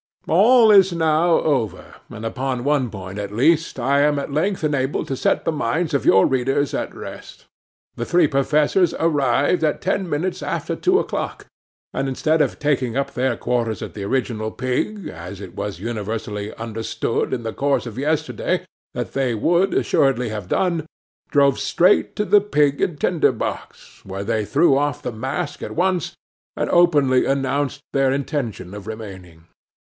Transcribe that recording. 'ALL is now over; and, upon one point at least, I am at length enabled to set the minds of your readers at rest. The three professors arrived at ten minutes after two o'clock, and, instead of taking up their quarters at the Original Pig, as it was universally understood in the course of yesterday that they would assuredly have done, drove straight to the Pig and Tinder box, where they threw off the mask at once, and openly announced their intention of remaining.